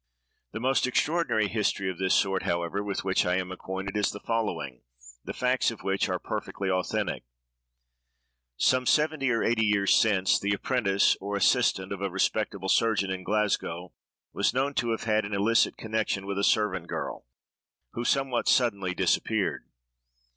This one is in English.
The most extraordinary history of this sort, however, with which I am acquainted, is the following, the facts of which are perfectly authentic:— Some seventy or eighty years since, the apprentice, or assistant, of a respectable surgeon in Glasgow, was known to have had an illicit connection with a servant girl, who somewhat suddenly disappeared.